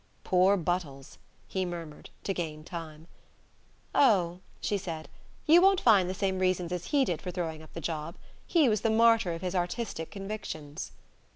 "Poor Buttles!" he murmured, to gain time. "Oh," she said, "you won't find the same reasons as he did for throwing up the job. He was the martyr of his artistic convictions."